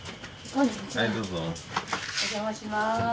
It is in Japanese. お邪魔します。